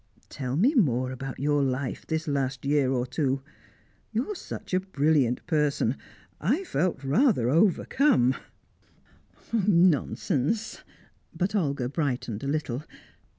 Tell me more about your life this last year or two. You are such a brilliant person. I felt rather overcome " "Nonsense!" But Olga brightened a little.